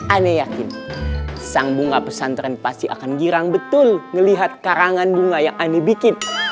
ane yakin sang bunga pesantren pasti akan girang betul ngelihat karangan bunga yang ani bikin